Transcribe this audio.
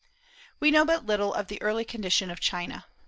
We know but little of the early condition of China.